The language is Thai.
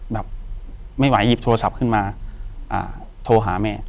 แบบไม่ไหวหยิบโทรศัพท์ขึ้นมาโทรหาแม่